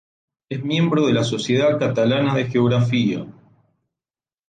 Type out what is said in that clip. Es miembro de la Sociedad Catalana de Geografía.